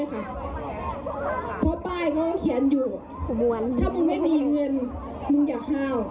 เพราะตลอดแปลงเขาเขียนอยู่ว่านี่ถ้ามึงไม่มีเงิน